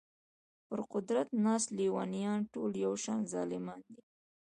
پر قدرت ناست لېونیان ټول یو شان ظالمان دي.